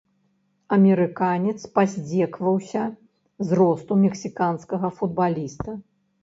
Амерыканец паздзекаваўся з росту мексіканскага футбаліста.